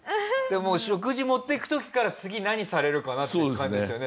もう食事持っていく時から次何されるかなっていう感じですよね。